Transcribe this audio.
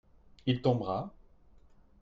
Il tombera ?